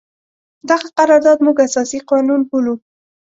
دغه قرارداد موږ اساسي قانون بولو.